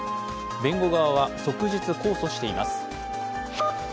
弁護側は即日控訴しています。